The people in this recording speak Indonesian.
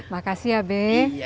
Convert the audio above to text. makasih ya be